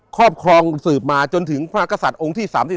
ครอบครองสืบมาจนถึงพระกษัตริย์องค์ที่๓๔